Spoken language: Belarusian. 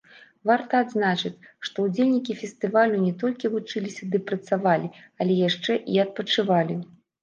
Варта адзначыць, што ўдзельнікі фестывалю не толькі вучыліся ды працавалі, але яшчэ і адпачывалі.